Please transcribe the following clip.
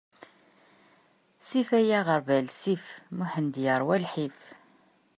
Sif ay aɣerbal, sif; Muḥend yerwa lḥif!